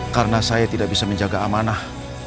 karena saya tidak bisa menjaga amanah